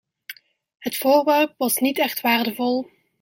Het voorwerp was niet echt waardevol.